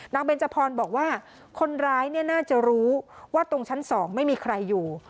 เบนจพรบอกว่าคนร้ายเนี่ยน่าจะรู้ว่าตรงชั้น๒ไม่มีใครอยู่